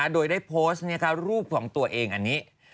โดยได้โพสต์รูปของตัวเองอันนี้